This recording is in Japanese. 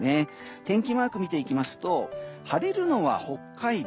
天気マークを見ていきますと晴れるのは北海道。